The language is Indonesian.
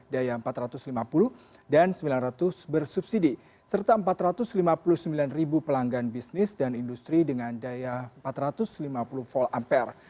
daya empat ratus lima puluh dan sembilan ratus bersubsidi serta empat ratus lima puluh sembilan ribu pelanggan bisnis dan industri dengan daya empat ratus lima puluh volt ampere